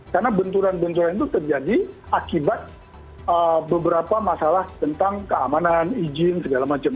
karena benturan benturan itu terjadi akibat beberapa masalah tentang keamanan izin segala macam